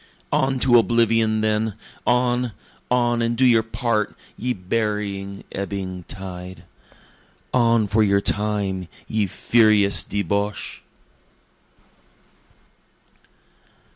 On to oblivion then! On, on, and do your part, ye burying, ebbing tide! On for your time, ye furious debouche!